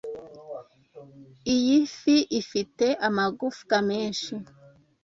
Iyi fi ifite amagufwa menshi.